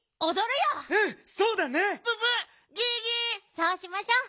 そうしましょう！